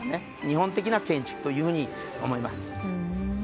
日本的な建築というふうに思います。